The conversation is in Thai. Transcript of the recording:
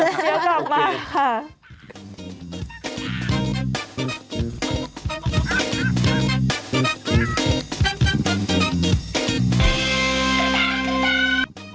เดี๋ยวกลับมาค่ะ